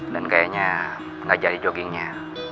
dan kayaknya gak jadi joggingnya